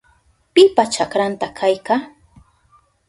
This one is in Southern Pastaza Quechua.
¿Pipa chakranta kayka?